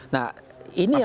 nah ini yang